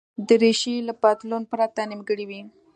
دریشي له پتلون پرته نیمګړې وي.